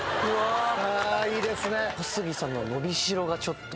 いいですね。